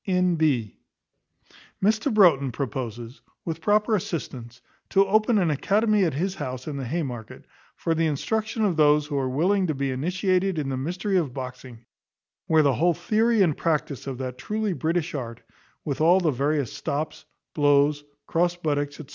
N.B. Mr Broughton proposes, with proper assistance, to open an academy at his house in the Haymarket, for the instruction of those who are willing to be initiated in the mystery of boxing: where the whole theory and practice of that truly British art, with all the various stops, blows, cross buttocks, &c.